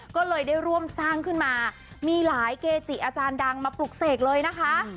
ก็เลยได้ร่วมสร้างขึ้นมามีหลายเกจิอาจารย์ดังมาปลุกเสกเลยนะคะ